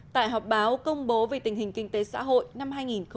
tại họp báo công bố về tình hình kinh tế xã hội năm hai nghìn một mươi chín